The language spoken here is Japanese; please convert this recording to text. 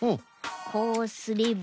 こうすれば。